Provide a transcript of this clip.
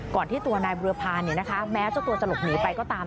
ก่อนที่ตัวนายบริวภาเนี่ยนะคะแม้เจ้าตัวจะหลบหนีไปก็ตาม